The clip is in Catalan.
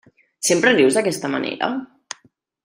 Sempre rius d'aquesta manera?